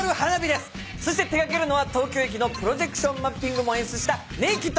そして手掛けるのは東京駅のプロジェクションマッピングも演出したネイキッド。